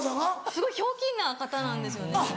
すごいひょうきんな方なんです。